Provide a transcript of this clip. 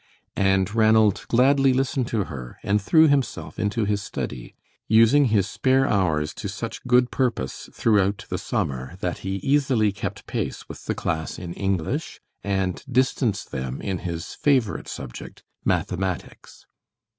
And Ranald gladly listened to her, and threw himself into his study, using his spare hours to such good purpose throughout the summer that he easily kept pace with the class in English, and distanced them in his favorite subject, mathematics.